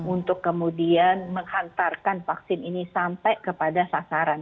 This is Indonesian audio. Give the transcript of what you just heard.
untuk kemudian menghantarkan vaksin ini sampai kepada sasaran